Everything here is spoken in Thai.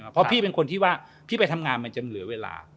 เพราะพี่เป็นคนที่ว่าพี่ไปทำงานมันจะเหลือเวลา